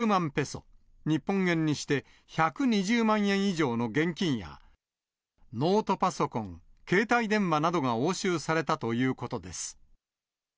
施設の中から５０万ペソ、日本円にして１２０万円以上の現金や、ノートパソコン、携帯電話などが押収されたということです。